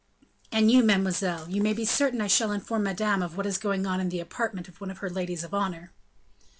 "And you, mademoiselle; you may be certain I shall inform madame of what is going on in the apartment of one of her ladies of honor?"